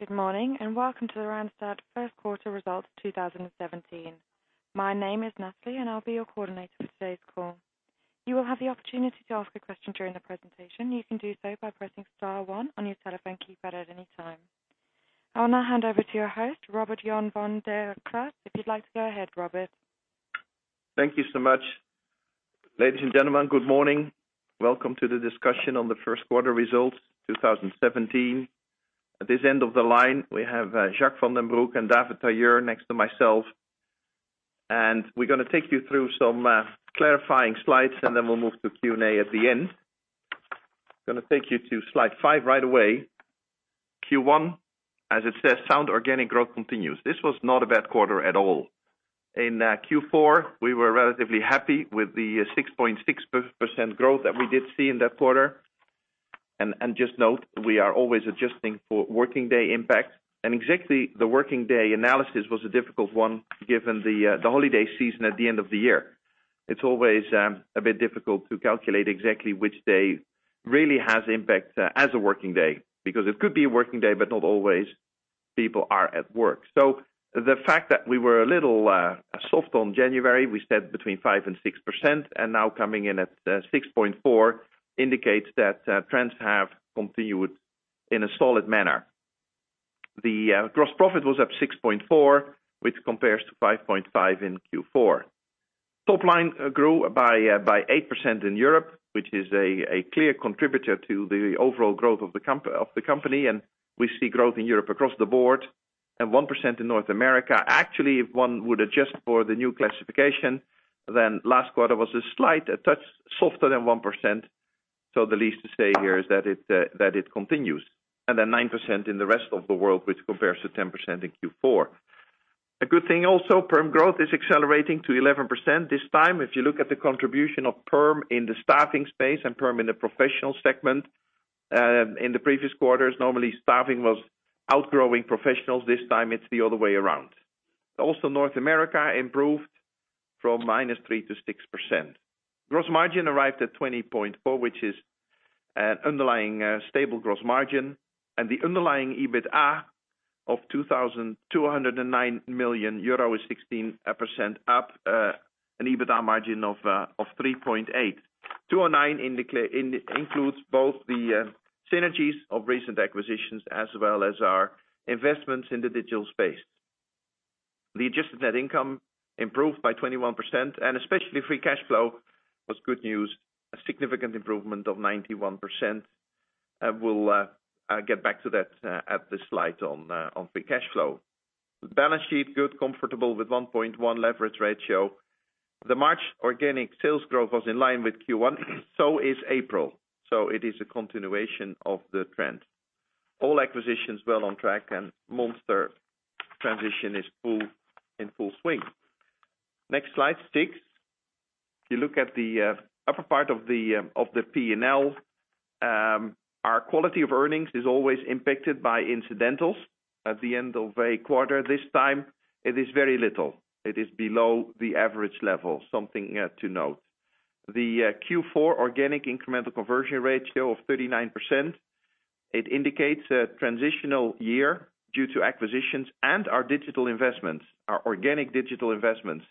Good morning, welcome to the Randstad first quarter results 2017. My name is Natalie, and I'll be your coordinator for today's call. You will have the opportunity to ask a question during the presentation. You can do so by pressing star 1 on your telephone keypad at any time. I'll now hand over to your host, Robert-Jan van de Kraats. If you'd like to go ahead, Robert. Thank you so much. Ladies and gentlemen, good morning. Welcome to the discussion on the first quarter results 2017. At this end of the line, we have Jacques van den Broek and David Tailleur next to myself. We're going to take you through some clarifying slides, and we'll move to Q&A at the end. Going to take you to slide five right away. Q1, as it says, sound organic growth continues. This was not a bad quarter at all. In Q4, we were relatively happy with the 6.6% growth that we did see in that quarter. Just note, we are always adjusting for working day impacts. Exactly the working day analysis was a difficult one, given the holiday season at the end of the year. It's always a bit difficult to calculate exactly which day really has impact as a working day, because it could be a working day, but not always people are at work. The fact that we were a little soft on January, we said between 5%-6%, and now coming in at 6.4%, indicates that trends have continued in a solid manner. The gross profit was up 6.4%, which compares to 5.5% in Q4. Top line grew by 8% in Europe, which is a clear contributor to the overall growth of the company, and we see growth in Europe across the board. 1% in North America. Actually, if one would adjust for the new classification, last quarter was a slight touch softer than 1%. The least to say here is that it continues. 9% in the rest of the world, which compares to 10% in Q4. A good thing also, perm growth is accelerating to 11%. This time, if you look at the contribution of perm in the staffing space and perm in the professional segment, in the previous quarters, normally staffing was outgrowing professionals. This time it's the other way around. Also North America improved from -3% to 6%. Gross margin arrived at 20.4%, which is an underlying stable gross margin. The underlying EBITDA of 2,209 million euro is 16% up, an EBITDA margin of 3.8%. 209 million includes both the synergies of recent acquisitions as well as our investments in the digital space. The adjusted net income improved by 21%, especially free cash flow was good news, a significant improvement of 91%. We'll get back to that at the slide on free cash flow. The balance sheet, good, comfortable with 1.1 leverage ratio. March organic sales growth was in line with Q1. Is April. It is a continuation of the trend. All acquisitions well on track and Monster transition is in full swing. Next slide six. If you look at the upper part of the P&L, our quality of earnings is always impacted by incidentals. At the end of a quarter this time, it is very little. It is below the average level, something to note. The Q4 organic incremental conversion ratio of 39%, it indicates a transitional year due to acquisitions and our digital investments, our organic digital investments.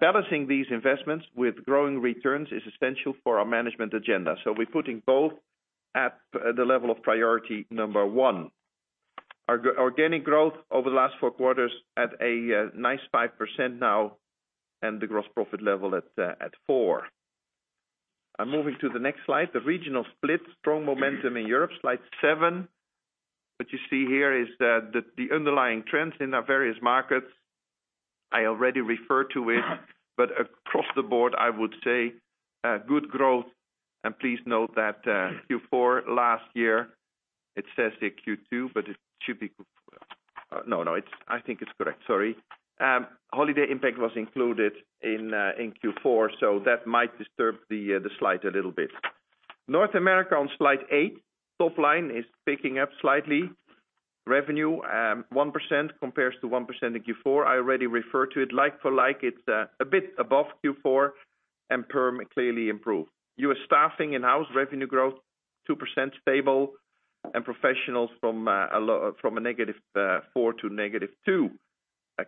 Balancing these investments with growing returns is essential for our management agenda. We're putting both at the level of priority number one. Our organic growth over the last four quarters at a nice 5% now, and the gross profit level at 4. I'm moving to the next slide, the regional split, strong momentum in Europe, slide seven. What you see here is the underlying trends in our various markets. I already referred to it, but across the board, I would say good growth. Please note that Q4 last year, it says here Q2, but it should be No, I think it's correct. Sorry. Holiday impact was included in Q4, that might disturb the slide a little bit. North America on slide eight. Top line is picking up slightly. Revenue, 1% compares to 1% in Q4. I already referred to it. Like for like, it's a bit above Q4 and perm clearly improved. U.S. staffing in-house revenue growth 2% stable and professionals from a negative four to negative two.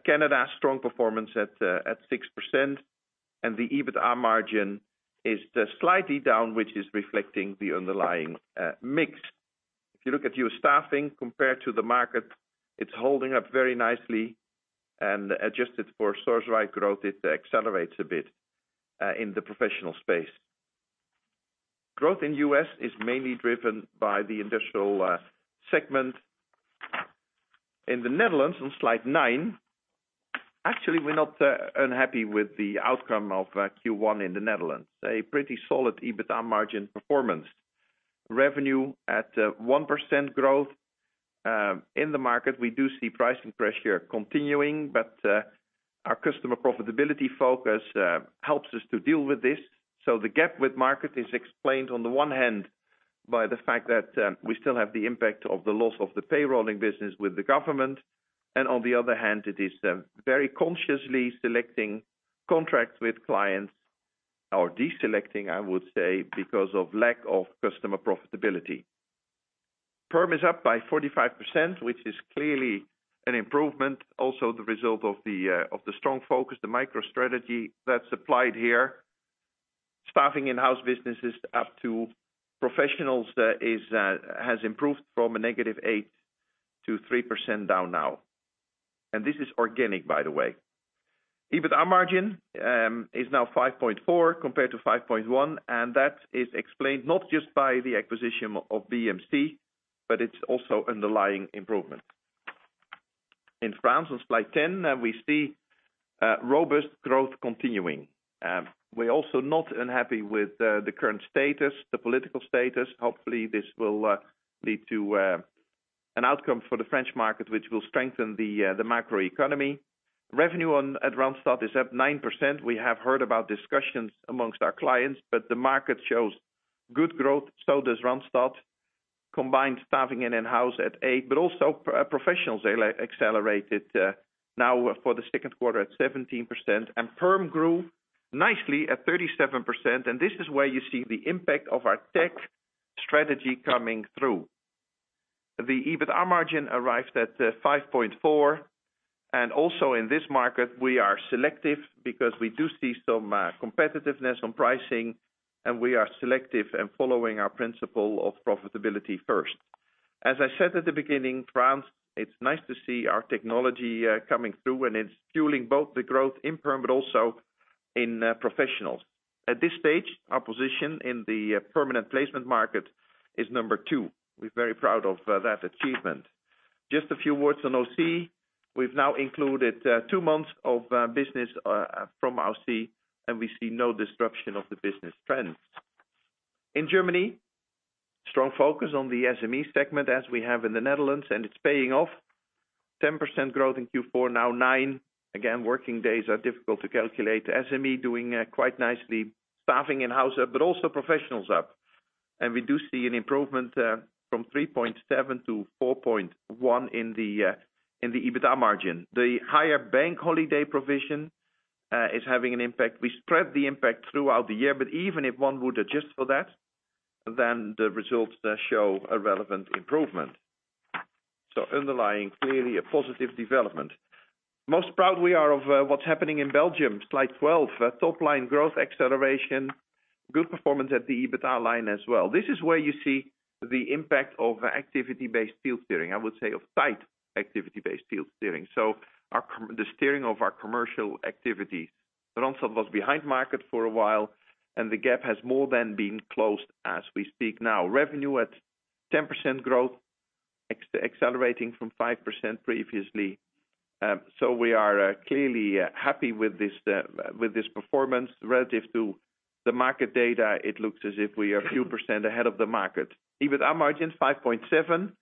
Canada, strong performance at 6% and the EBITDA margin is slightly down, which is reflecting the underlying mix. If you look at U.S. staffing compared to the market, it's holding up very nicely and adjusted for Randstad Sourceright growth, it accelerates a bit in the professional space. Growth in U.S. is mainly driven by the industrial segment. In the Netherlands on slide nine, actually, we're not unhappy with the outcome of Q1 in the Netherlands. A pretty solid EBITDA margin performance. Revenue at 1% growth. In the market, we do see pricing pressure continuing, our customer profitability focus helps us to deal with this. The gap with market is explained on the one hand by the fact that we still have the impact of the loss of the payroll and business with the government. On the other hand, it is very consciously selecting contracts with clients. Deselecting, I would say, because of lack of customer profitability. Perm is up by 45%, which is clearly an improvement. Also, the result of the strong focus, the micro strategy that's applied here. Staffing in house business is up to professionals, has improved from a negative eight to 3% down now. This is organic, by the way. EBITDA margin is now 5.4 compared to 5.1, and that is explained not just by the acquisition of BMC, it's also underlying improvement. In France, on slide 10, we see robust growth continuing. We're also not unhappy with the current status, the political status. Hopefully, this will lead to an outcome for the French market, which will strengthen the macroeconomy. Revenue at Randstad is up 9%. We have heard about discussions amongst our clients, but the market shows good growth. Randstad does. Combined staffing and in-house at 8%, but also professionals accelerated now for the second quarter at 17%, and perm grew nicely at 37%. This is where you see the impact of our tech strategy coming through. The EBITDA margin arrives at 5.4%. Also in this market, we are selective because we do see some competitiveness on pricing, and we are selective and following our principle of profitability first. As I said at the beginning, France, it is nice to see our technology coming through, and it is fueling both the growth in perm but also in professionals. At this stage, our position in the permanent placement market is number 2. We are very proud of that achievement. Just a few words on OC. We have now included 2 months of business from OC. We see no disruption of the business trends. In Germany, strong focus on the SME segment as we have in the Netherlands, and it is paying off. 10% growth in Q4, now 9%. Again, working days are difficult to calculate. SME doing quite nicely. Staffing in house up, but also professionals up. We do see an improvement from 3.7% to 4.1% in the EBITDA margin. The higher bank holiday provision is having an impact. We spread the impact throughout the year, but even if one would adjust for that, then the results there show a relevant improvement. Underlying, clearly a positive development. Most proud we are of what is happening in Belgium. Slide 12, top line growth acceleration, good performance at the EBITDA line as well. This is where you see the impact of activity-based field steering, I would say of tight activity-based field steering. The steering of our commercial activity. Randstad was behind market for a while, and the gap has more than been closed as we speak now. Revenue at 10% growth, accelerating from 5% previously. We are clearly happy with this performance relative to the market data. It looks as if we are a few percent ahead of the market. EBITDA margin 5.7%.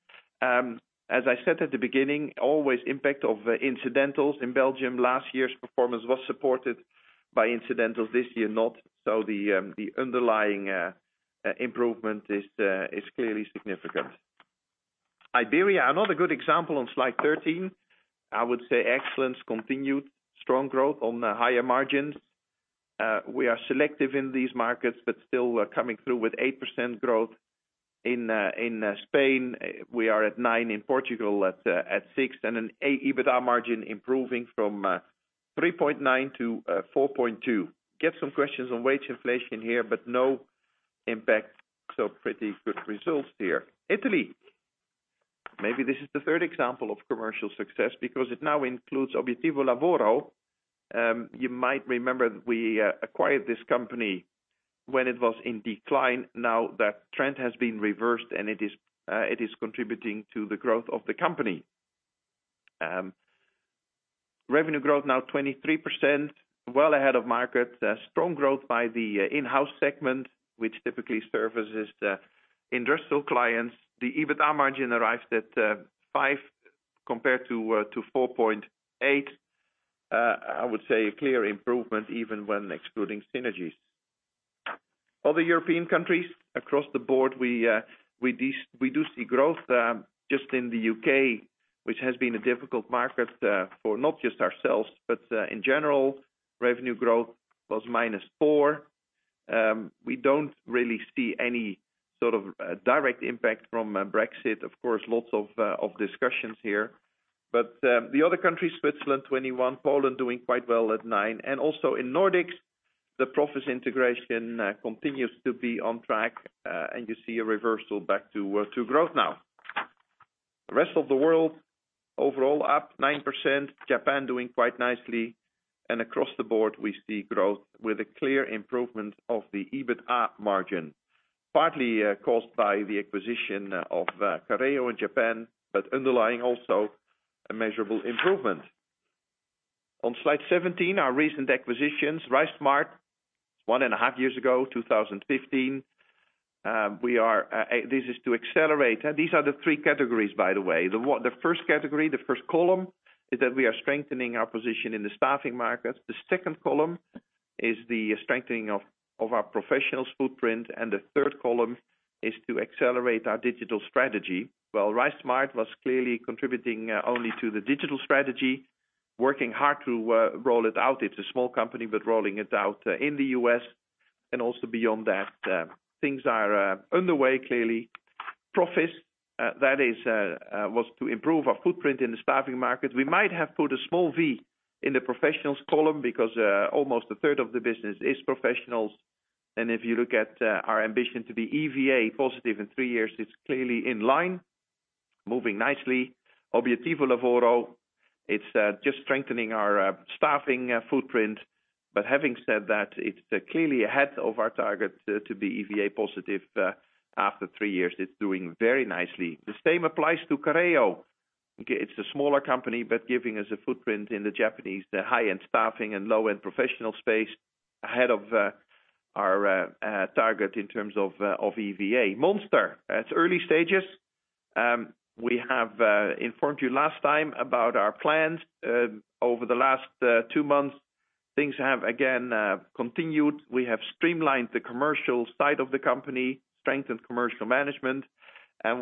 As I said at the beginning, always impact of incidentals. In Belgium, last year's performance was supported by incidentals, this year not. The underlying improvement is clearly significant. Iberia, another good example on slide 13. I would say excellence continued. Strong growth on the higher margins. We are selective in these markets, but still coming through with 8% growth. In Spain, we are at 9%, in Portugal at 6%, and an EBITDA margin improving from 3.9% to 4.2%. Get some questions on wage inflation here, but no impact. Pretty good results here. Italy. Maybe this is the third example of commercial success because it now includes Obiettivo Lavoro. You might remember we acquired this company when it was in decline. Now that trend has been reversed, it is contributing to the growth of the company. Revenue growth now 23%, well ahead of market. Strong growth by the in-house segment, which typically services the industrial clients. The EBITDA margin arrives at 5% compared to 4.8%. I would say a clear improvement even when excluding synergies. Other European countries across the board, we do see growth just in the U.K., which has been a difficult market for not just ourselves, but in general, revenue growth was -4%. We don't really see any sort of direct impact from Brexit. Of course, lots of discussions here. The other countries, Switzerland 21%, Poland doing quite well at 9%. Also in Nordics, the Proffice integration continues to be on track, and you see a reversal back to growth now. The rest of the world, overall up 9%. Japan doing quite nicely. Across the board, we see growth with a clear improvement of the EBITDA margin, partly caused by the acquisition of Careo in Japan, but underlying also a measurable improvement. On slide 17, our recent acquisitions. RiseSmart, one and a half years ago, 2015. This is to accelerate. These are the 3 categories, by the way. The first category, the first column, is that we are strengthening our position in the staffing market. The second column is the strengthening of our professionals footprint, the third column is to accelerate our digital strategy. While RiseSmart was clearly contributing only to the digital strategy. Working hard to roll it out. It's a small company, but rolling it out in the U.S. and also beyond that. Things are underway, clearly. Proffice, that was to improve our footprint in the staffing market. We might have put a small V in the professionals column because almost a third of the business is professionals. If you look at our ambition to be EVA positive in three years, it's clearly in line, moving nicely. Obiettivo Lavoro, it's just strengthening our staffing footprint. Having said that, it's clearly ahead of our target to be EVA positive after three years. It's doing very nicely. The same applies to Careo. It's a smaller company, but giving us a footprint in the Japanese, the high-end staffing and low-end professional space ahead of our target in terms of EVA. Monster, it's early stages. We have informed you last time about our plans. Over the last two months, things have again continued. We have streamlined the commercial side of the company, strengthened commercial management,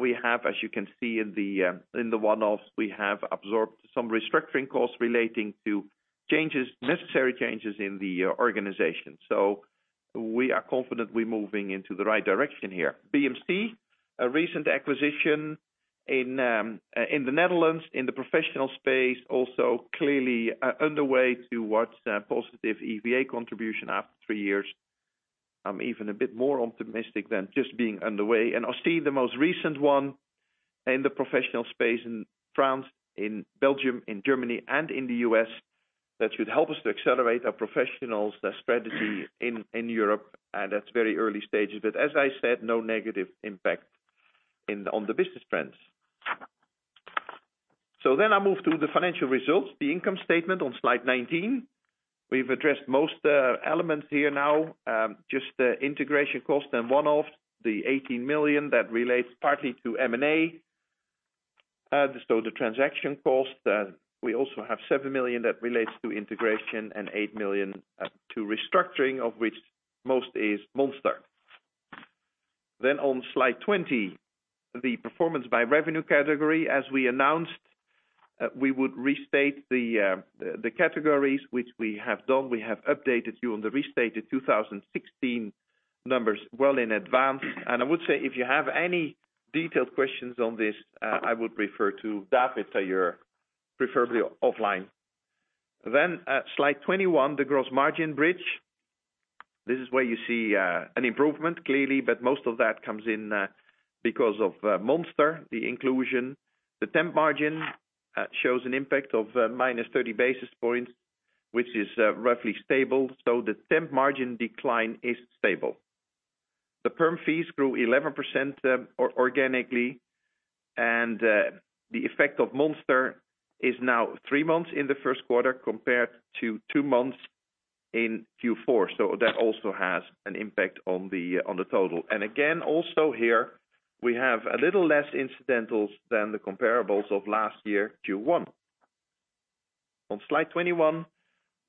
we have, as you can see in the one-offs, we have absorbed some restructuring costs relating to necessary changes in the organization. We are confidently moving into the right direction here. BMC, a recent acquisition in the Netherlands, in the professional space, also clearly underway towards a positive EVA contribution after three years. I'm even a bit more optimistic than just being underway. Ausy, the most recent one in the professional space in France, in Belgium, in Germany, and in the U.S., that should help us to accelerate our professionals' spread in Europe. That's very early stages. As I said, no negative impact on the business trends. I move to the financial results. The income statement on slide 19. We've addressed most elements here now. Just the integration cost and one-off, the 18 million that relates partly to M&A. The transaction cost. We also have 7 million that relates to integration and 8 million to restructuring, of which most is Monster. On slide 20, the performance by revenue category. As we announced, we would restate the categories, which we have done. We have updated you on the restated 2016 numbers well in advance. I would say if you have any detailed questions on this, I would refer to David Tailleur preferably offline. Slide 21, the gross margin bridge. This is where you see an improvement, clearly, but most of that comes in because of Monster, the inclusion. The temp margin shows an impact of minus 30 basis points, which is roughly stable. The temp margin decline is stable. The perm fees grew 11% organically, and the effect of Monster is now three months in the first quarter compared to two months in Q4. That also has an impact on the total. Again, also here, we have a little less incidentals than the comparables of last year, Q1. On slide 21,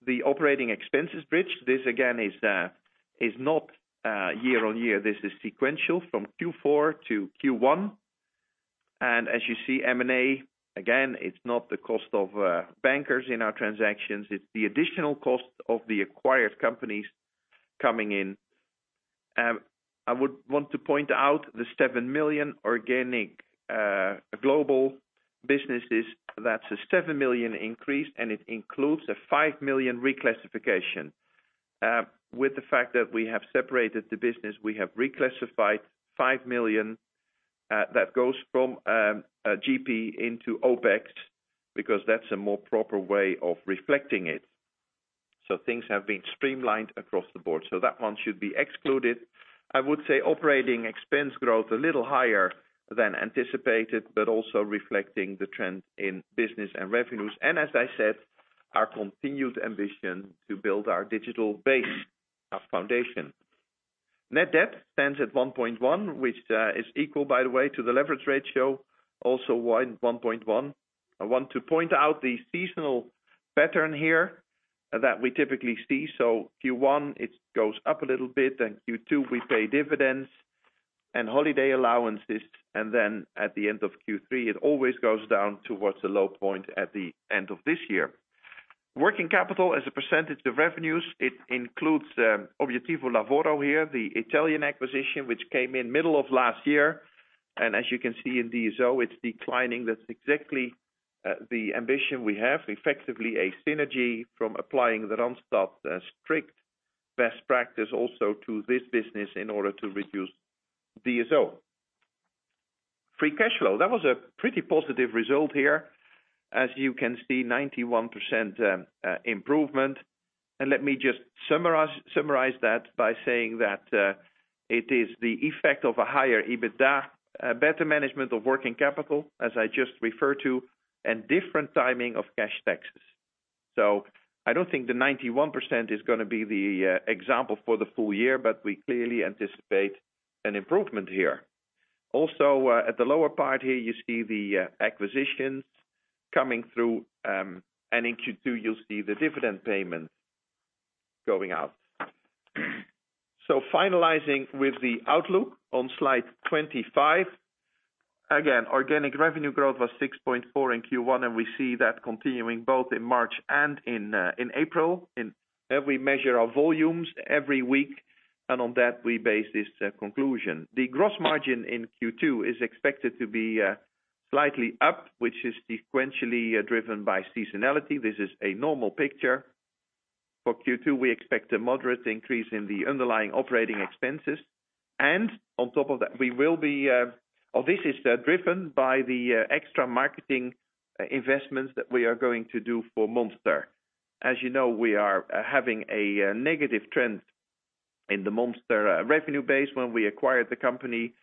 the operating expenses bridge. This again is not year-on-year. This is sequential from Q4 to Q1. As you see, M&A, again, it's not the cost of bankers in our transactions. It's the additional cost of the acquired companies coming in. I would want to point out the 7 million organic global businesses. That's a 7 million increase, and it includes a 5 million reclassification. With the fact that we have separated the business, we have reclassified 5 million that goes from GP into OPEX because that's a more proper way of reflecting it. Things have been streamlined across the board. That one should be excluded. I would say operating expense growth, a little higher than anticipated, but also reflecting the trend in business and revenues. As I said, our continued ambition to build our digital base as foundation. Net debt stands at 1.1, which is equal, by the way, to the leverage ratio, also 1.1. I want to point out the seasonal pattern here that we typically see. Q1, it goes up a little bit, and Q2, we pay dividends and holiday allowances. At the end of Q3, it always goes down towards the low point at the end of this year. Working capital as a percentage of revenues, it includes Obiettivo Lavoro here, the Italian acquisition, which came in middle of last year. As you can see in DSO, it's declining. That's exactly the ambition we have, effectively a synergy from applying the Randstad strict best practice also to this business in order to reduce DSO. Free cash flow. That was a pretty positive result here. As you can see, 91% improvement. Let me just summarize that by saying that it is the effect of a higher EBITDA, better management of working capital, as I just referred to, and different timing of cash taxes. I don't think the 91% is going to be the example for the full year, but we clearly anticipate an improvement here. Also, at the lower part here, you see the acquisitions coming through, and in Q2, you'll see the dividend payment. Going out. Finalizing with the outlook on slide 25. Organic revenue growth was 6.4% in Q1, and we see that continuing both in March and in April. We measure our volumes every week, and on that, we base this conclusion. The gross margin in Q2 is expected to be slightly up, which is sequentially driven by seasonality. This is a normal picture. For Q2, we expect a moderate increase in the underlying operating expenses. On top of that, this is driven by the extra marketing investments that we are going to do for Monster. As you know, we are having a negative trend in the Monster revenue base when we acquired the company,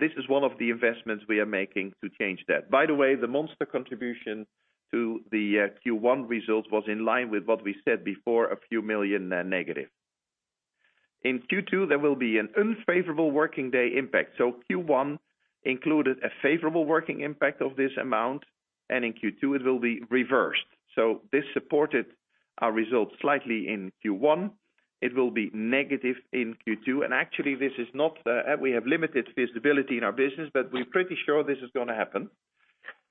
this is one of the investments we are making to change that. By the way, the Monster contribution to the Q1 results was in line with what we said before, a few million EUR negative. In Q2, there will be an unfavorable working day impact. Q1 included a favorable working impact of this amount, in Q2 it will be reversed. This supported our results slightly in Q1. It will be negative in Q2. Actually, we have limited visibility in our business, but we're pretty sure this is going to happen.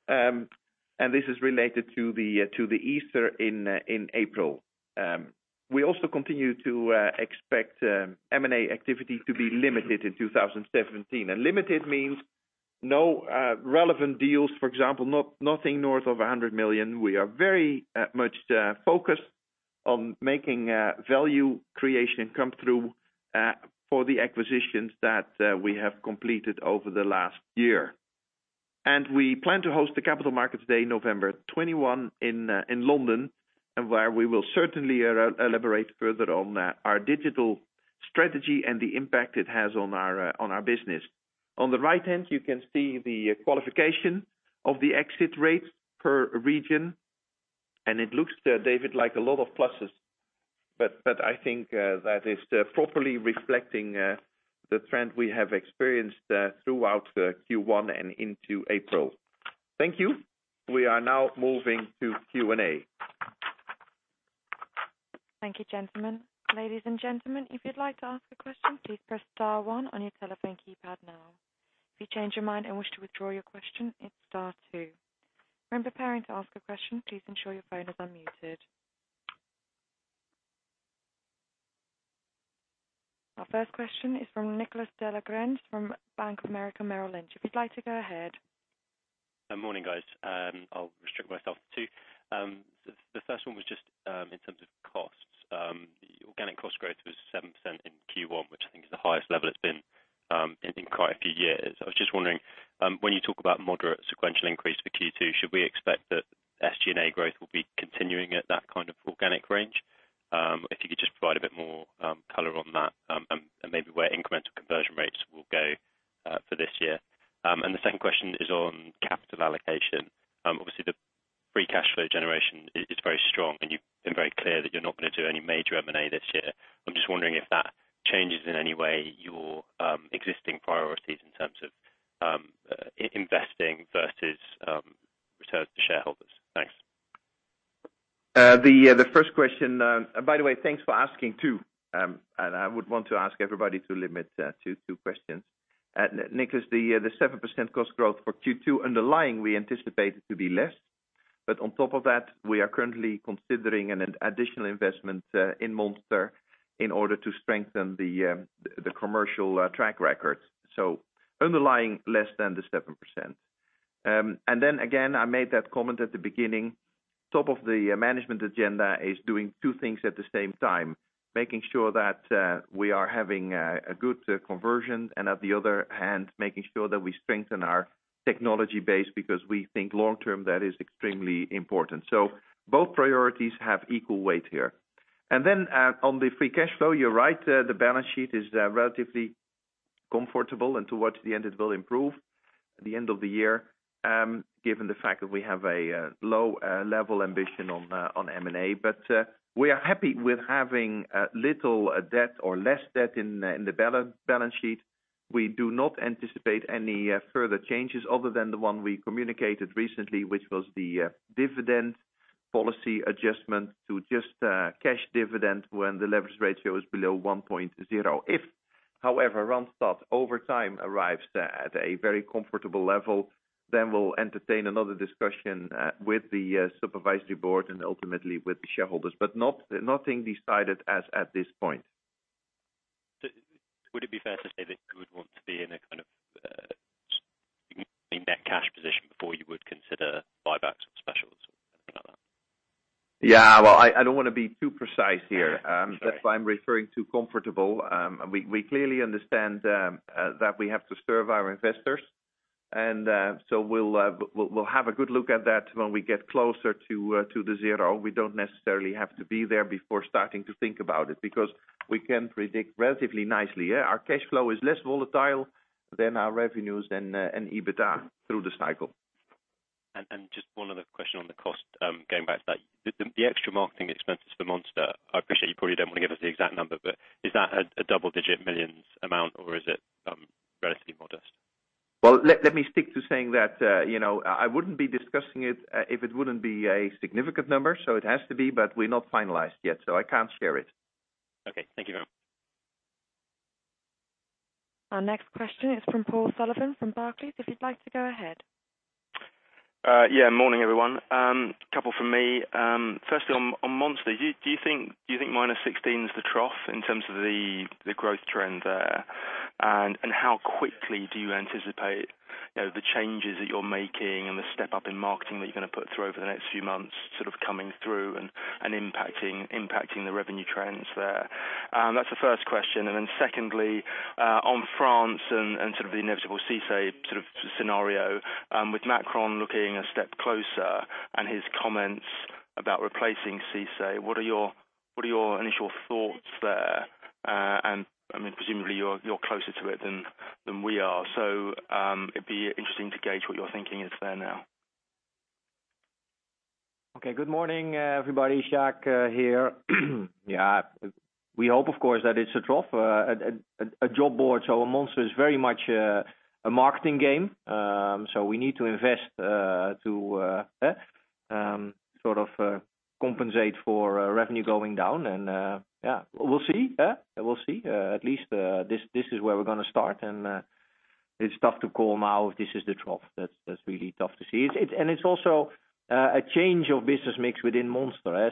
This is related to the Easter in April. We also continue to expect M&A activity to be limited in 2017. Limited means no relevant deals, for example, nothing north of 100 million. We are very much focused on making value creation come through for the acquisitions that we have completed over the last year. We plan to host the Capital Markets Day, November 21 in London, where we will certainly elaborate further on our digital strategy and the impact it has on our business. On the right-hand, you can see the qualification of the exit rates per region, it looks, David, like a lot of pluses. But I think that is properly reflecting the trend we have experienced throughout Q1 and into April. Thank you. We are now moving to Q&A. Thank you, gentlemen. Ladies and gentlemen, if you'd like to ask a question, please press star one on your telephone keypad now. If you change your mind and wish to withdraw your question, hit star two. When preparing to ask a question, please ensure your phone is unmuted. Our first question is from Nicholas Delagrange from Bank of America Merrill Lynch. If you'd like to go ahead. Morning, guys. I'll restrict myself to two. The first one was just in terms of costs. Organic cost growth was 7% in Q1, which I think is the highest level it's been in quite a few years. I was just wondering, when you talk about moderate sequential increase for Q2, should we expect that SG&A growth will be continuing at that kind of organic range? If you could just provide a bit more color on that, and maybe where incremental conversion rates will go for this year. The second question is on capital allocation. Obviously, the free cash flow generation is very strong, you've been very clear that you're not going to do any major M&A this year. I'm just wondering if that changes in any way your existing priorities in terms of investing versus returns to shareholders. Thanks. The first question. By the way, thanks for asking two. Nicholas, the 7% cost growth for Q2 underlying, we anticipated to be less. On top of that, we are currently considering an additional investment in Monster in order to strengthen the commercial track record. Underlying less than the 7%. Again, I made that comment at the beginning. Top of the management agenda is doing two things at the same time, making sure that we are having a good conversion, and on the other hand, making sure that we strengthen our technology base because we think long-term that is extremely important. Both priorities have equal weight here. On the free cash flow, you're right, the balance sheet is relatively comfortable, and towards the end, it will improve at the end of the year, given the fact that we have a low-level ambition on M&A. We are happy with having little debt or less debt in the balance sheet. We do not anticipate any further changes other than the one we communicated recently, which was the dividend policy adjustment to just cash dividend when the leverage ratio is below 1.0. If, however, Randstad over time arrives at a very comfortable level, we'll entertain another discussion with the supervisory board and ultimately with the shareholders. Nothing decided as at this point. Would it be fair to say that you would want to be in a kind of net cash position before you would consider buybacks or specials or something like that? Yeah. Well, I don't want to be too precise here. Okay. Sure. That's why I'm referring to comfortable. We clearly understand that we have to serve our investors, and so we'll have a good look at that when we get closer to the zero. We don't necessarily have to be there before starting to think about it, because we can predict relatively nicely. Our cash flow is less volatile than our revenues and EBITDA through the cycle. Just one other question on the cost, going back to that. The extra marketing expenses for Monster, I appreciate you probably don't want to give us the exact number, but is that a double-digit millions amount or is it relatively modest? Well, let me stick to saying that I wouldn't be discussing it if it wouldn't be a significant number, so it has to be, but we're not finalized yet, so I can't share it. Okay. Thank you very much. Our next question is from Paul Sullivan from Barclays, if you'd like to go ahead. Yeah. Morning, everyone. Couple from me. Firstly, on Monster, do you think minus 16 is the trough in terms of the growth trend there? How quickly do you anticipate the changes that you're making and the step up in marketing that you're going to put through over the next few months coming through and impacting the revenue trends there? That's the first question. Then secondly, on France and the inevitable CICE scenario, with Macron looking a step closer and his comments about replacing CICE, what are your initial thoughts there? Presumably, you're closer to it than we are. It'd be interesting to gauge what your thinking is there now. Okay. Good morning, everybody. Jacques here. Yeah, we hope, of course, that it's a trough, a job board. Monster is very much a marketing game. We need to invest to sort of compensate for revenue going down and, yeah, we'll see. At least this is where we're going to start, and it's tough to call now if this is the trough. That's really tough to see. It's also a change of business mix within Monster.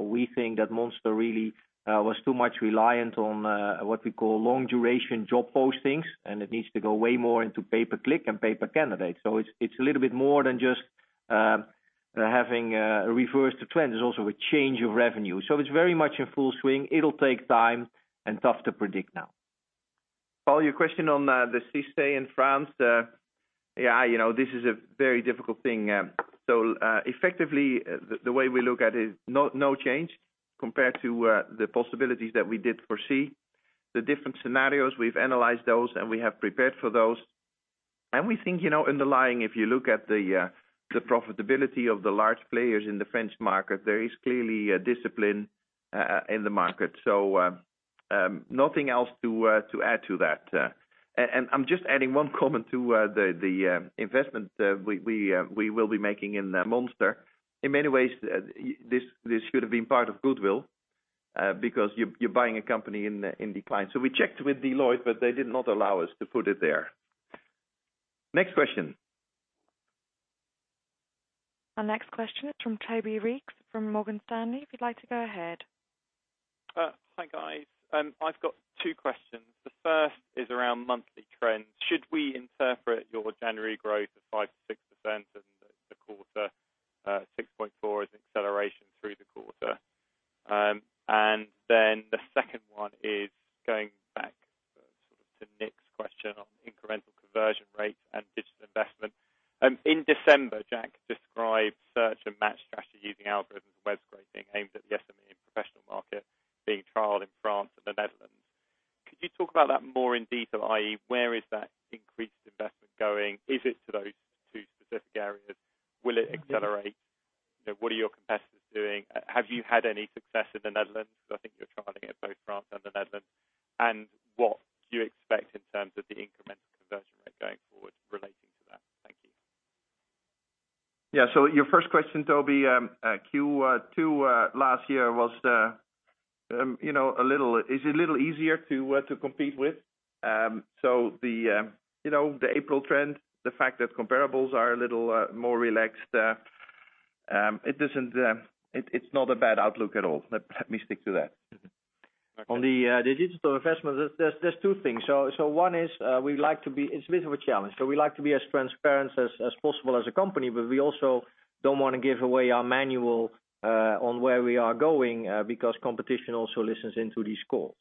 We think that Monster really was too much reliant on what we call long duration job postings, and it needs to go way more into pay per click and pay per candidate. It's a little bit more than just having a reverse to trend. There's also a change of revenue. It's very much in full swing. It'll take time and tough to predict now. Paul, your question on the CICE in France. Yeah, this is a very difficult thing. Effectively, the way we look at it, no change compared to the possibilities that we did foresee. The different scenarios, we've analyzed those, and we have prepared for those. We think, underlying, if you look at the profitability of the large players in the French market, there is clearly a discipline in the market. Nothing else to add to that. I'm just adding one comment to the investment we will be making in Monster. In many ways, this should have been part of goodwill because you're buying a company in decline. We checked with Deloitte, but they did not allow us to put it there. Next question. Our next question is from Toby Reeks from Morgan Stanley. If you'd like to go ahead. Hi, guys. I've got two questions. The first is around monthly trends. Should we interpret your January growth of 5%-6% in the quarter, 6.4% as an acceleration through the quarter? The second one is going back to Nick's question on Incremental Conversion Rates and digital investment. In December, Jacques described search and match strategy using algorithms and web scraping aimed at the SME and professional market being trialed in France and the Netherlands. Could you talk about that more in detail, i.e., where is that increased investment going? Is it to those two specific areas? Will it accelerate? What are your competitors doing? Have you had any success in the Netherlands? Because I think you're trialing it both France and the Netherlands. What do you expect in terms of the Incremental Conversion Rate going forward relating to that? Thank you. Yeah. Your first question, Toby, Q2 last year is a little easier to compete with. The April trend, the fact that comparables are a little more relaxed, it's not a bad outlook at all. Let me stick to that. Okay. On the digital investment, there's two things. One is it's a bit of a challenge. We like to be as transparent as possible as a company, but we also don't want to give away our manual on where we are going because competition also listens in to these calls.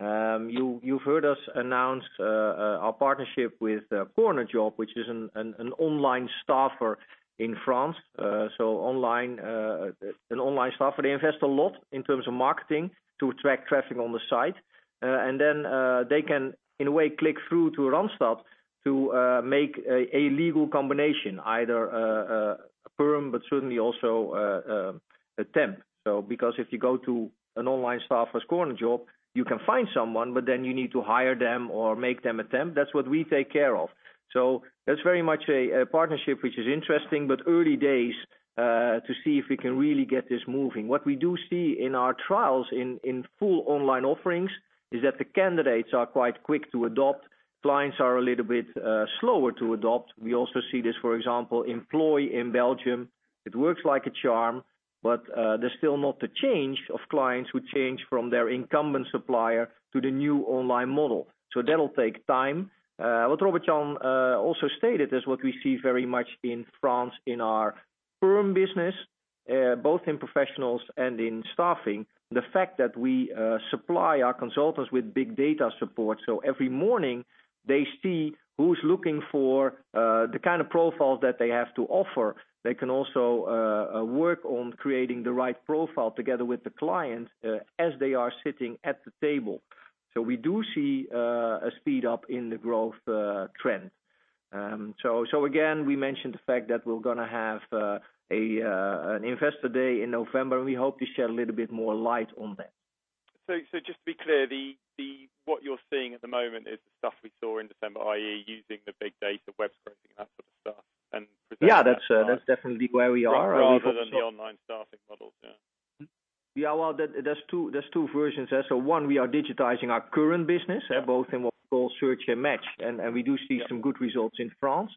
You've heard us announce our partnership with CornerJob, which is an online staffer in France. An online staffer, they invest a lot in terms of marketing to attract traffic on the site. They can, in a way, click through to Randstad to make a legal combination, either a perm, but certainly also a temp. Because if you go to an online staffer, CornerJob, you can find someone, but then you need to hire them or make them a temp. That's what we take care of. That's very much a partnership, which is interesting, but early days to see if we can really get this moving. What we do see in our trials in full online offerings is that the candidates are quite quick to adopt. Clients are a little bit slower to adopt. We also see this, for example, Tempo-Team in Belgium. It works like a charm, but there's still not a change of clients who change from their incumbent supplier to the new online model. That'll take time. What Robert-Jan also stated is what we see very much in France in our perm business, both in professionals and in staffing. The fact that we supply our consultants with big data support. Every morning they see who's looking for the kind of profiles that they have to offer. They can also work on creating the right profile together with the client as they are sitting at the table. We do see a speed up in the growth trend. Again, we mentioned the fact that we're going to have a Capital Markets Day in November, and we hope to shed a little bit more light on that. Just to be clear, what you're seeing at the moment is the stuff we saw in December, i.e., using the big data, web scraping, that sort of stuff and presenting. Yeah. That's definitely where we are. We hope. Rather than the online staffing models. Yeah. Yeah. Well, there's two versions there. One, we are digitizing our current business. Yeah both in what we call search and match. We do see some good results in France,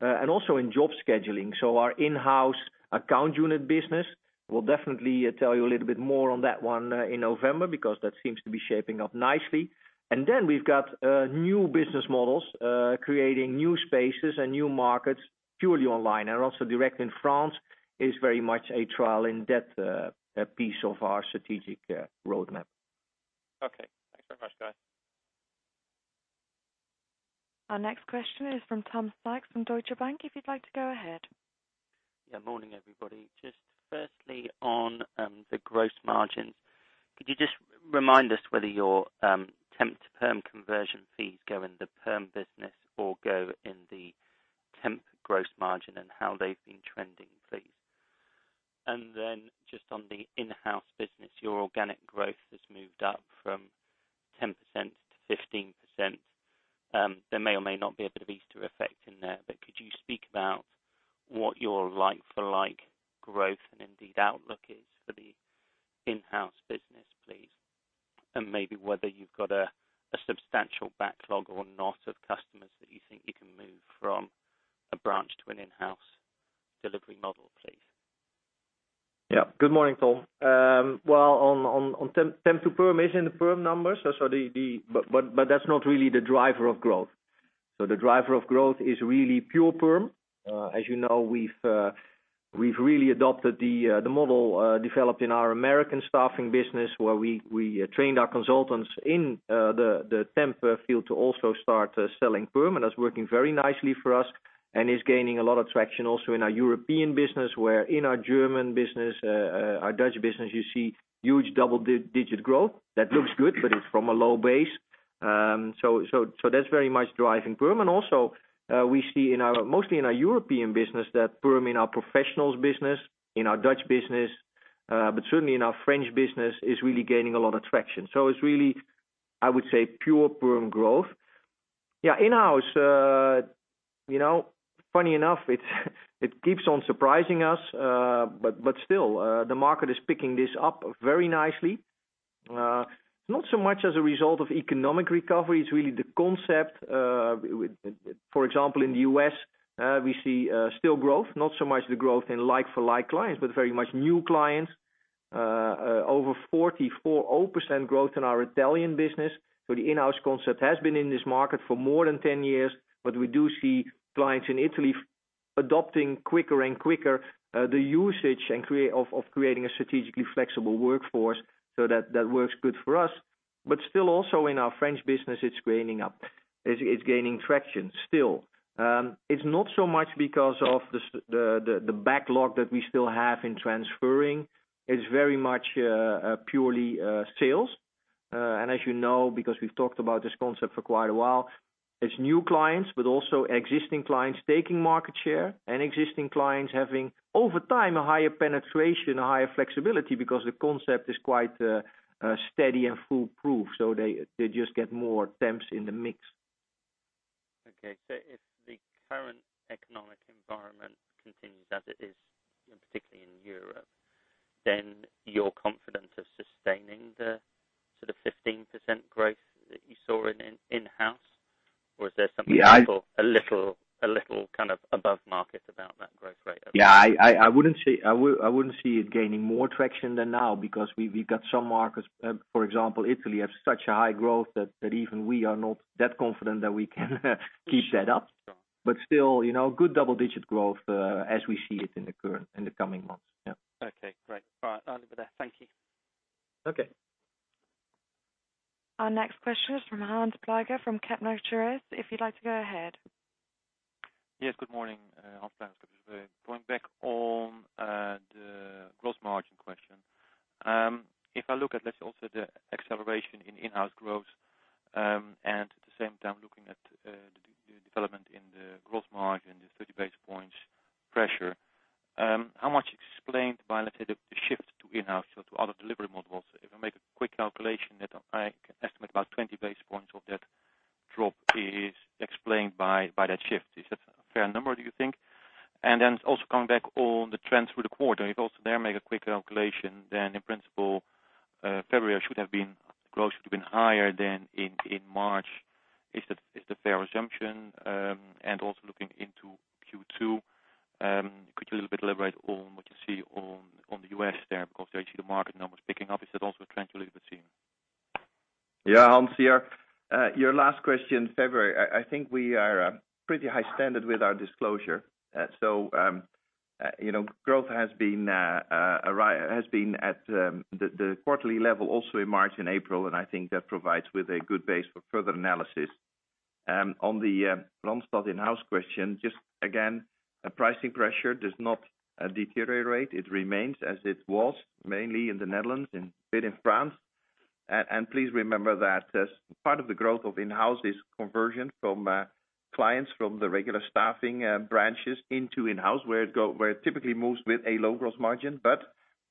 and also in job scheduling. Our in-house account unit business will definitely tell you a little bit more on that one in November, because that seems to be shaping up nicely. Then we've got new business models, creating new spaces and new markets purely online, and also direct in France is very much a trial in depth, a piece of our strategic roadmap. Okay. Thanks very much, guys. Our next question is from Tom Sykes from Deutsche Bank. If you'd like to go ahead. Yeah. Morning, everybody. Just firstly on the gross margins, could you just remind us whether your temp to perm conversion fees go in the perm business or go in the temp gross margin, and how they've been trending, please? Then just on the in-house business, your organic growth has moved up from 10% to 15%. There may or may not be a bit of Easter effect in there, but could you speak about what your like for like growth and indeed outlook is for the in-house business, please? Maybe whether you've got a substantial backlog or not of customers that you think you can move from a branch to an in-house delivery model, please. Yeah. Good morning, Tom. Well, on temp to perm is in the perm numbers. That's not really the driver of growth. The driver of growth is really pure perm. As you know, we've really adopted the model developed in our American staffing business where we trained our consultants in the temp field to also start selling perm. That's working very nicely for us and is gaining a lot of traction also in our European business, where in our German business, our Dutch business, you see huge double-digit growth. That looks good, but it's from a low base. That's very much driving perm. Also, we see mostly in our European business that perm in our professionals business, in our Dutch business, but certainly in our French business, is really gaining a lot of traction. It's really, I would say, pure perm growth. Yeah, in-house, funny enough, it keeps on surprising us. Still, the market is picking this up very nicely. Not so much as a result of economic recovery. It's really the concept. For example, in the U.S., we see still growth, not so much the growth in like for like clients, but very much new clients. Over 44.0% growth in our Italian business. The in-house concept has been in this market for more than 10 years. We do see clients in Italy adopting quicker and quicker, the usage of creating a strategically flexible workforce so that works good for us. Still also in our French business, it's gaining up. It's gaining traction still. It's not so much because of the backlog that we still have in transferring. It's very much purely sales. As you know, because we've talked about this concept for quite a while, it's new clients, but also existing clients taking market share and existing clients having, over time, a higher penetration, a higher flexibility because the concept is quite steady and foolproof. They just get more temps in the mix. Okay. If the current economic environment continues as it is, and particularly in Europe, then you're confident of sustaining the sort of 15% growth that you saw in in-house? Or is there something- Yeah. a little kind of above market about that growth rate? Yeah. I wouldn't see it gaining more traction than now because we've got some markets, for example, Italy, have such a high growth that even we are not that confident that we can keep that up. Sure. Still, good double-digit growth, as we see it in the coming months. Yeah. Okay, great. All right. I'll leave it there. Thank you. Okay. Our next question is from Hans Pluijgers from KBC Securities. If you'd like to go ahead. Yes, good morning. Hans Pluijgers. Going back on the gross margin question. I look at, let's say, also the acceleration in in-house growth, and at the same time looking at the development in the gross margin, the 30 basis points pressure, how much explained by, let's say, the shift to in-house, so to other delivery models? I make a quick calculation that I can estimate about 20 basis points of that drop is explained by that shift. Is that a fair number, do you think? Then also coming back on the trends for the quarter. Also there make a quick calculation, then in principle, February growth should have been higher than in March. Is that a fair assumption? Also looking into Q2, could you a little bit elaborate on what you see on the U.S. there? There you see the market numbers picking up. Is that also a trend you leave to see? Yeah, Hans. Your last question, February, I think we are pretty high standard with our disclosure. Growth has been at the quarterly level also in March and April, and I think that provides with a good base for further analysis. On the Randstad in-house question, just again, pricing pressure does not deteriorate. It remains as it was, mainly in the Netherlands and a bit in France. Please remember that part of the growth of in-house is conversion from clients from the regular staffing branches into in-house, where it typically moves with a low gross margin.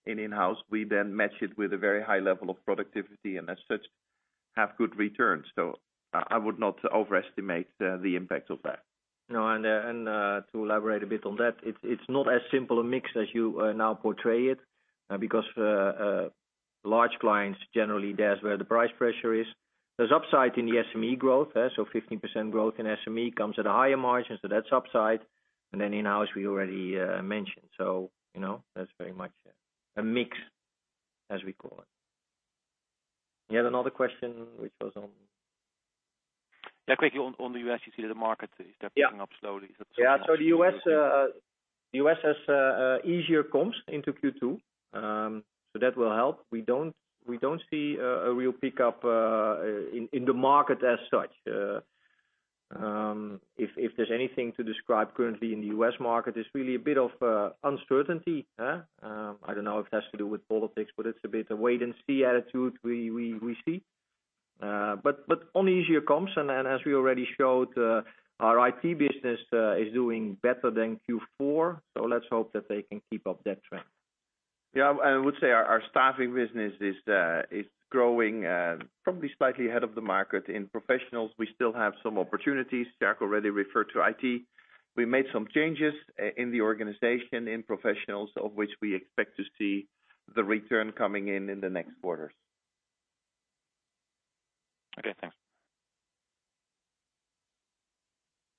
In in-house, we then match it with a very high level of productivity, and as such, have good returns. I would not overestimate the impact of that. No, to elaborate a bit on that, it's not as simple a mix as you now portray it, because large clients, generally that's where the price pressure is. There's upside in the SME growth. 15% growth in SME comes at a higher margin, so that's upside. Then in-house, we already mentioned. That's very much a mix as we call it. You had another question which was on? Quickly on the U.S. to the market, they're picking up slowly. The U.S. has easier comps into Q2. That will help. We don't see a real pickup in the market as such. If there's anything to describe currently in the U.S. market, it's really a bit of uncertainty. I don't know if it has to do with politics, but it's a bit of wait and see attitude we see. On easier comps, and as we already showed, our IT business is doing better than Q4, let's hope that they can keep up that trend. I would say our staffing business is growing probably slightly ahead of the market. In professionals, we still have some opportunities. Jack already referred to IT. We made some changes in the organization in professionals, of which we expect to see the return coming in in the next quarters. Okay, thanks.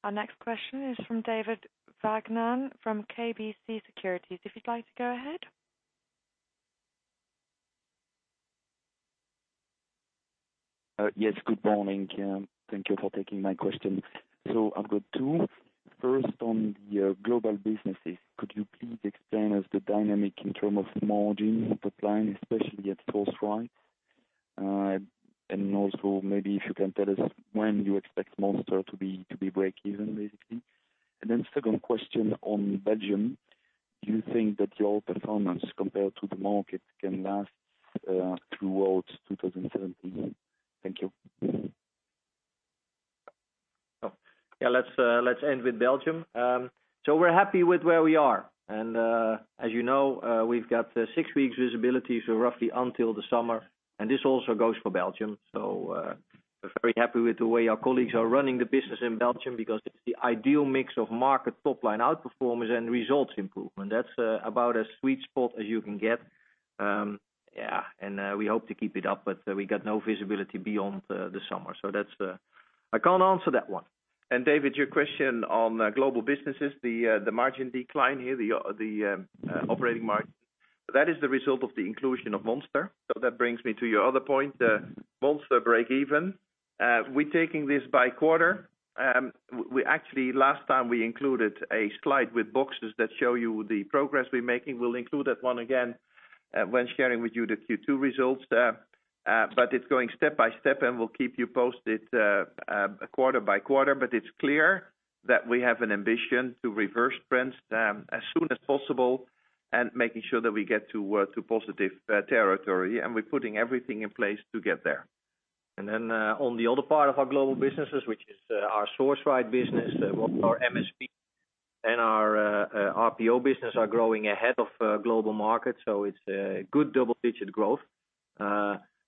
Our next question is from David van der Zande from KBC Securities. If you'd like to go ahead. Yes, good morning. Thank you for taking my question. I've got two. First, on your global businesses. Could you please explain us the dynamic in term of margin decline, especially at Sourceright? Also, maybe if you can tell us when you expect Monster to be breakeven, basically. Then second question on Belgium. Do you think that your performance compared to the market can last throughout 2017? Thank you. Let's end with Belgium. We're happy with where we are. As you know, we've got 6 weeks visibility, roughly until the summer. This also goes for Belgium. We're very happy with the way our colleagues are running the business in Belgium because it's the ideal mix of market top line outperformance and results improvement. That's about as sweet spot as you can get. We hope to keep it up, but we got no visibility beyond the summer. I can't answer that one. David, your question on global businesses, the margin decline here, the operating margin. That is the result of the inclusion of Monster. That brings me to your other point, Monster breakeven. We're taking this by quarter. Actually, last time we included a slide with boxes that show you the progress we're making. We'll include that one again when sharing with you the Q2 results there. It's going step by step, and we'll keep you posted quarter by quarter. It's clear that we have an ambition to reverse trends as soon as possible and making sure that we get to positive territory, and we're putting everything in place to get there. Then, on the other part of our global businesses, which is our Sourceright business, both our MSP and our RPO business are growing ahead of global market. It's a good double-digit growth,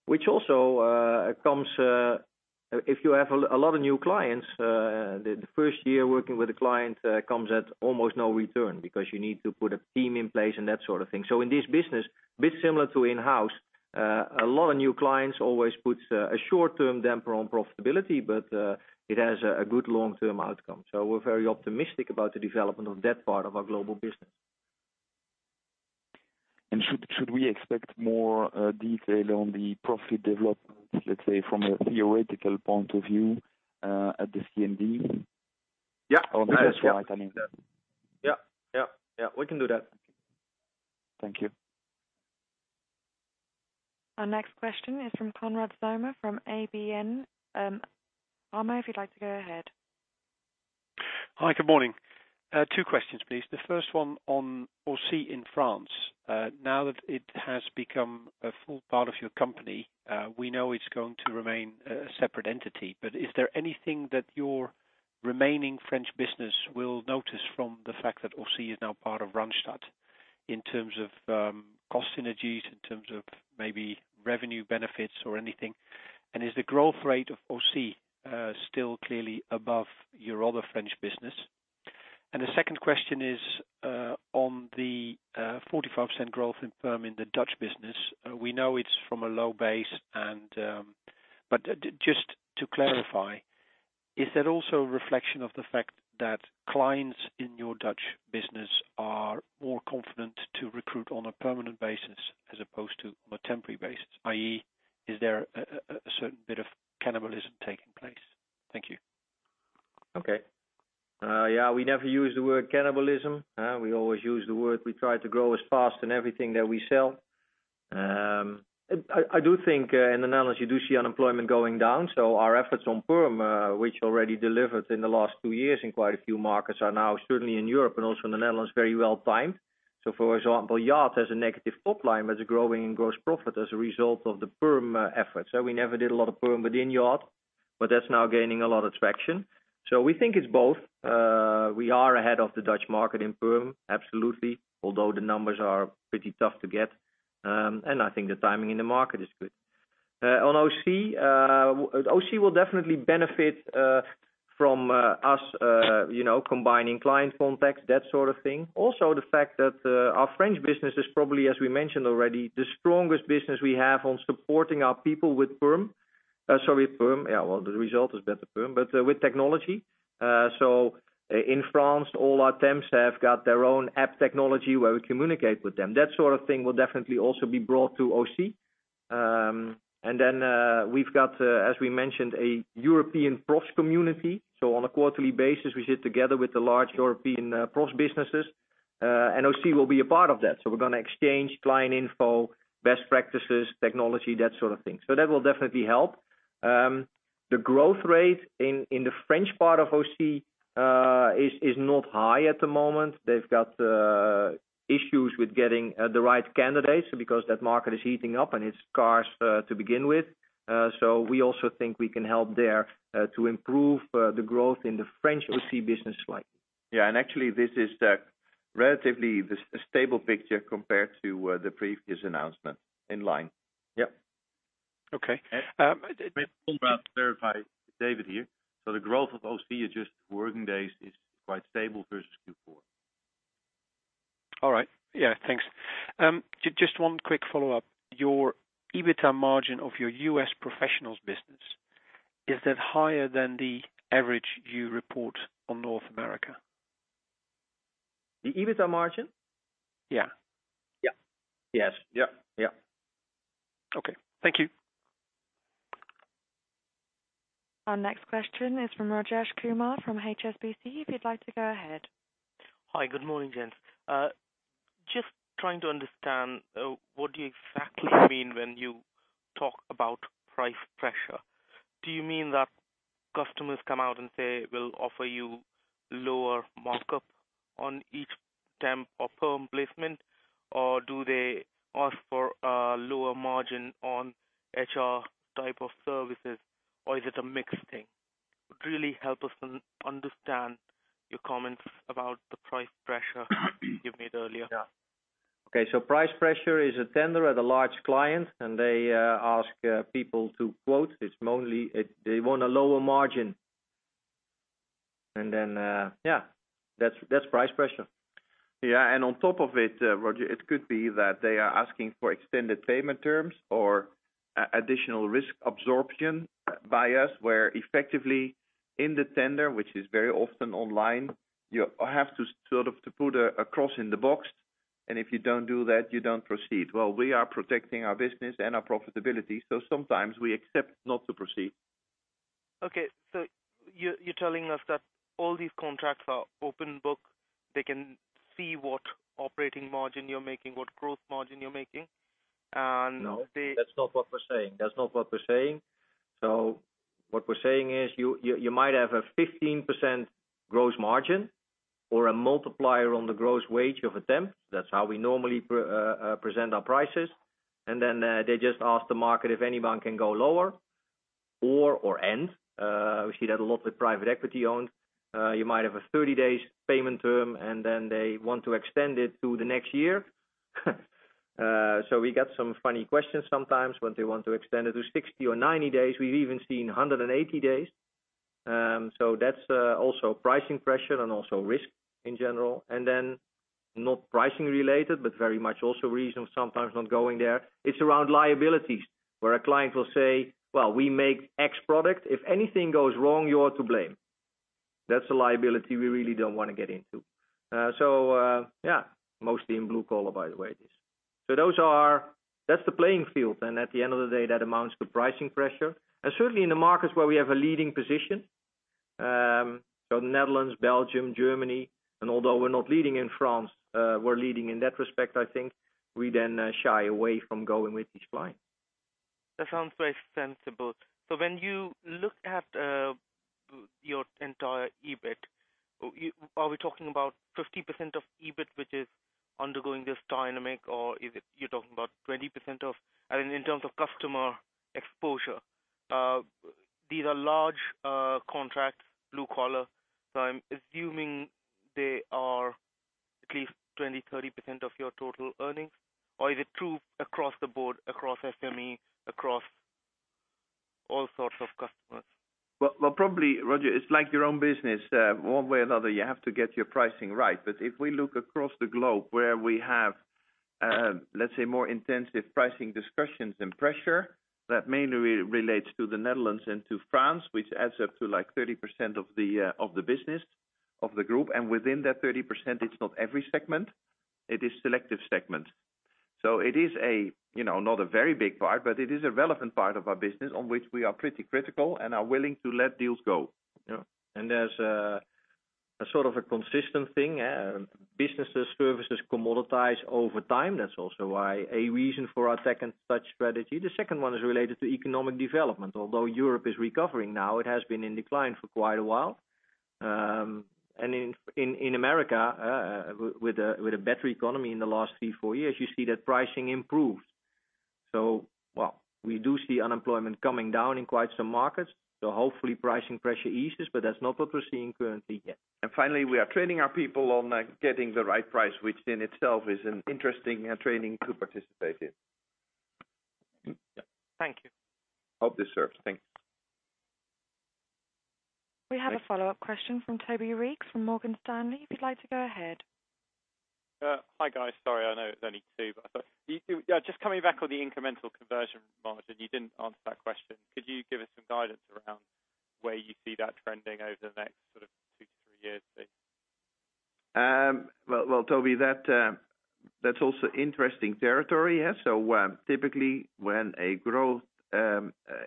which also comes if you have a lot of new clients, the first year working with a client comes at almost no return because you need to put a team in place and that sort of thing. In this business, a bit similar to in-house, a lot of new clients always puts a short-term damper on profitability, but it has a good long-term outcome. We're very optimistic about the development of that part of our global business. Should we expect more detail on the profit development, let's say from a theoretical point of view, at the CMD? Yeah. On the Sourceright, I mean. Yeah. We can do that. Thank you. Our next question is from Konrad Zomer from ABN AMRO, if you'd like to go ahead. Hi, good morning. Two questions, please. The first one on Ausy in France. Now that it has become a full part of your company, we know it's going to remain a separate entity. Is there anything that your remaining French business will notice from the fact that Ausy is now part of Randstad in terms of cost synergies, in terms of maybe revenue benefits or anything? Is the growth rate of Ausy still clearly above your other French business? The second question is, on the 45% growth in perm in the Dutch business. We know it's from a low base, but just to clarify, is that also a reflection of the fact that clients in your Dutch business are more confident to recruit on a permanent basis as opposed to on a temporary basis, i.e., is there a certain bit of cannibalism taking place? Thank you. Okay. Yeah, we never use the word cannibalism. We always use the word we try to grow as fast in everything that we sell. I do think in the Netherlands, you do see unemployment going down. Our efforts on perm, which already delivered in the last two years in quite a few markets, are now certainly in Europe and also in the Netherlands, very well timed. For example, Yacht has a negative top line, but is growing in gross profit as a result of the perm efforts. We never did a lot of perm within Yacht, but that's now gaining a lot of traction. We think it's both. We are ahead of the Dutch market in perm, absolutely, although the numbers are pretty tough to get. I think the timing in the market is good. On Ausy will definitely benefit from us combining client contacts, that sort of thing. Also, the fact that our French business is probably, as we mentioned already, the strongest business we have on supporting our people with perm. Sorry, perm. Yeah, well, the result is better perm, but with technology. In France, all our temps have got their own app technology where we communicate with them. That sort of thing will definitely also be brought to Ausy. We've got, as we mentioned, a European prof community. On a quarterly basis, we sit together with the large European prof businesses, and Ausy will be a part of that. We're going to exchange client info, best practices, technology, that sort of thing. That will definitely help. The growth rate in the French part of Ausy is not high at the moment. They've got issues with getting the right candidates because that market is heating up and it's scarce to begin with. We also think we can help there to improve the growth in the French Ausy business slightly. Yeah. This is relatively a stable picture compared to the previous announcement, in line. Yep. Okay. May I just clarify, David here. The growth of Ausy is just working days is quite stable versus Q4. All right. Yeah, thanks. Just one quick follow-up. Your EBITA margin of your U.S. professionals business, is that higher than the average you report on North America? The EBITA margin? Yeah. Yeah. Yes. Yeah. Okay. Thank you. Our next question is from Rajesh Kumar from HSBC. If you'd like to go ahead. Hi, good morning, gents. Trying to understand what you exactly mean when you talk about price pressure. Do you mean that customers come out and say, we'll offer you lower markup on each temp or perm placement, or do they ask for a lower margin on HR type of services, or is it a mixed thing? It would really help us understand your comments about the price pressure you made earlier. Yeah. Okay. Price pressure is a tender at a large client, and they ask people to quote. They want a lower margin. Then, yeah, that's price pressure. Yeah. On top of it, Rajesh, it could be that they are asking for extended payment terms or additional risk absorption by us, where effectively in the tender, which is very often online, you have to sort of put a cross in the box, and if you don't do that, you don't proceed. Well, we are protecting our business and our profitability, so sometimes we accept not to proceed. Okay. You're telling us that all these contracts are open book. They can see what operating margin you're making, what gross margin you're making. No, that's not what we're saying. What we're saying is you might have a 15% gross margin or a multiplier on the gross wage of a temp. That's how we normally present our prices. They just ask the market if anyone can go lower or end. We see that a lot with private equity-owned. You might have a 30-day payment term, they want to extend it to the next year. We get some funny questions sometimes when they want to extend it to 60 or 90 days. We've even seen 180 days. That's also pricing pressure and also risk in general. Not pricing related, but very much also reason sometimes not going there. It's around liabilities where a client will say, "Well, we make X product. If anything goes wrong, you're to blame." That's a liability we really don't want to get into. Yeah, mostly in blue collar, by the way, it is. That's the playing field then. At the end of the day, that amounts to pricing pressure. Certainly in the markets where we have a leading position, Netherlands, Belgium, Germany, and although we're not leading in France, we're leading in that respect, I think, we then shy away from going with these clients. That sounds very sensible. When you look at your entire EBIT, are we talking about 50% of EBIT, which is undergoing this dynamic, or you're talking about 20% of? In terms of customer exposure, these are large contracts, blue collar. I'm assuming they are at least 20%-30% of your total earnings. Or is it true across the board, across SME, across all sorts of customers? Well, probably, Rajesh, it is like your own business. One way or another, you have to get your pricing right. If we look across the globe where we have, let's say, more intensive pricing discussions and pressure, that mainly relates to the Netherlands and to France, which adds up to like 30% of the business of the group. Within that 30%, it is not every segment, it is selective segment. It is not a very big part, but it is a relevant part of our business on which we are pretty critical and are willing to let deals go. There is a sort of a consistent thing. Businesses, services commoditize over time. That is also why a reason for our second touch strategy. The second one is related to economic development. Although Europe is recovering now, it has been in decline for quite a while. In America, with a better economy in the last three, four years, you see that pricing improved. We do see unemployment coming down in quite some markets. Hopefully pricing pressure eases, but that is not what we are seeing currently yet. Finally, we are training our people on getting the right price, which in itself is an interesting training to participate in. Thank you. Hope this helps. Thanks. We have a follow-up question from Toby Reeks from Morgan Stanley. If you'd like to go ahead. Hi, guys. Sorry, I know it's only two, just coming back on the incremental conversion ratio, you didn't answer that question. Could you give us some guidance around where you see that trending over the next two to three years, please? Well, Toby, that's also interesting territory. Typically, when a growth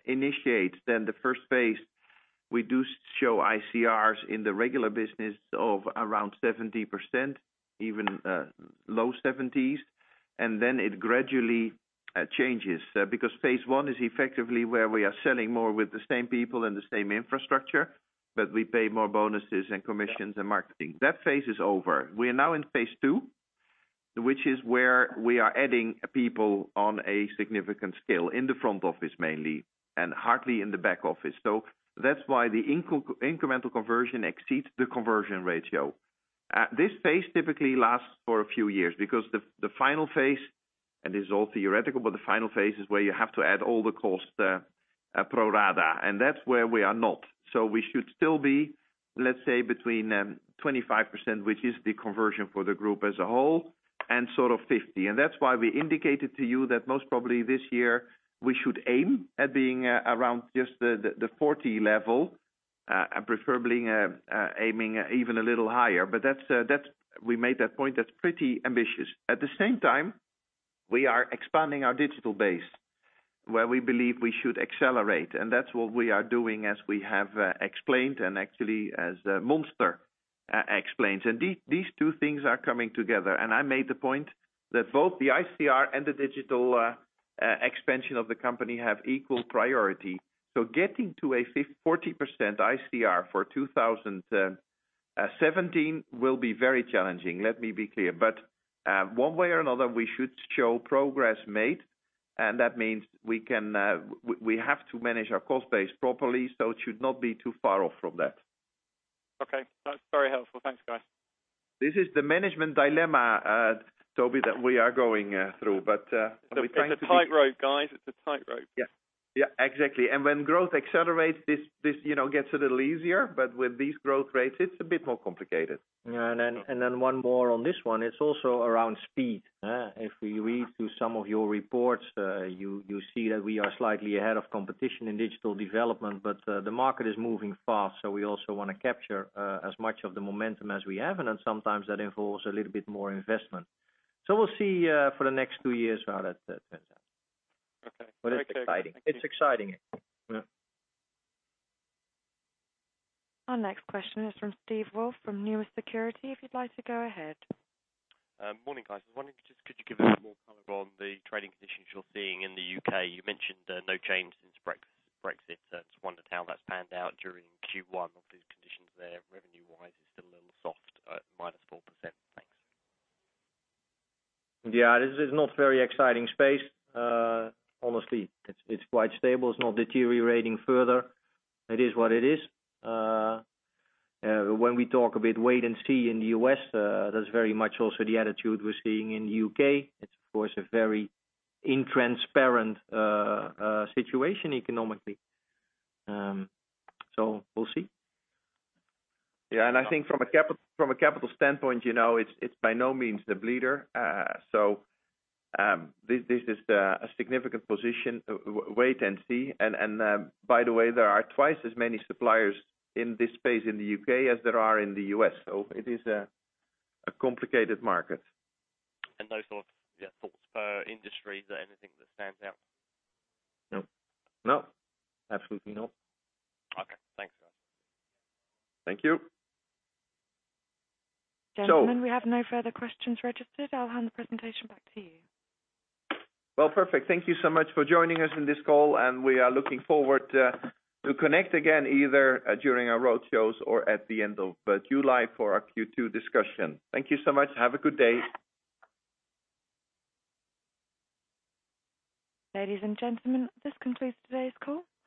initiates, then the first phase, we do show ICRs in the regular business of around 70%, even low 70s. Then it gradually changes. Phase one is effectively where we are selling more with the same people and the same infrastructure, we pay more bonuses and commissions and marketing. That phase is over. We are now in phase two, which is where we are adding people on a significant scale in the front office mainly, and hardly in the back office. That's why the incremental conversion exceeds the conversion ratio. This phase typically lasts for a few years because the final phase, and this is all theoretical, the final phase is where you have to add all the costs pro rata, and that's where we are not. We should still be, let's say, between 25%, which is the conversion for the group as a whole, and sort of 50%. That's why we indicated to you that most probably this year, we should aim at being around just the 40% level, preferably aiming even a little higher. We made that point. That's pretty ambitious. At the same time, we are expanding our digital base, where we believe we should accelerate. That's what we are doing as we have explained, and actually as Monster explains. These two things are coming together. I made the point that both the ICR and the digital expansion of the company have equal priority. Getting to a 40% ICR for 2017 will be very challenging, let me be clear. One way or another, we should show progress made, and that means we have to manage our cost base properly, so it should not be too far off from that. Okay. That's very helpful. Thanks, guys. This is the management dilemma, Toby, that we are going through. It's a tightrope, guys. It's a tightrope. Yeah, exactly. When growth accelerates, this gets a little easier. With these growth rates, it's a bit more complicated. One more on this one, it's also around speed. If we read through some of your reports, you see that we are slightly ahead of competition in digital development, the market is moving fast, we also want to capture as much of the momentum as we have, sometimes that involves a little bit more investment. We'll see for the next two years how that turns out. Okay. It's exciting. Thank you. It's exciting. Yeah. Our next question is from Steve Wolf of Newell Security. If you'd like to go ahead. Morning, guys. I was wondering, could you give us more color on the trading conditions you're seeing in the U.K.? You mentioned no change since Brexit. I just wondered how that's panned out during Q1 of these conditions there revenue-wise. It's still a little soft at minus 4%. Thanks. Yeah, this is not very exciting space. Honestly, it's quite stable. It's not deteriorating further. It is what it is. When we talk a bit wait and see in the U.S., that's very much also the attitude we're seeing in the U.K. It's, of course, a very intransparent situation economically. We'll see. Yeah, I think from a capital standpoint, it's by no means the bleeder. This is a significant position, wait and see. By the way, there are twice as many suppliers in this space in the U.K. as there are in the U.S. It is a complicated market. No sort of thoughts per industry. Is there anything that stands out? No. No, absolutely not. Okay. Thanks, guys. Thank you. Gentlemen, we have no further questions registered. I'll hand the presentation back to you. Well, perfect. Thank you so much for joining us on this call, and we are looking forward to connect again either during our roadshows or at the end of July for our Q2 discussion. Thank you so much. Have a good day. Ladies and gentlemen, this concludes today's call.